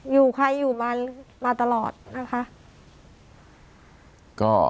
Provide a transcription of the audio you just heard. อยู่ใครอยู่มันมาตลอดนะคะ